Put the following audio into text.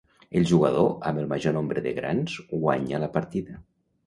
El jugador amb el major nombre de grans guanya la partida.